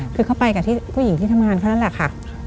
คือเขาไปกับผู้หญิงที่ทำงานเท่านั้นแหละค่ะ